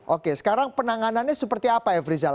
oke sekarang penanganannya seperti apa efri zal